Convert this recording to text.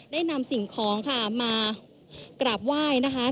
ได้นำสิ่งของค่ะมากราบไหว้นะคะ